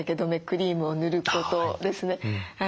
クリームを塗ることですね。